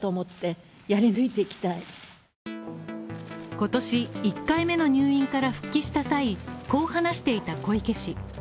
今年１回目の入院から復帰した際、こう話していた小池氏。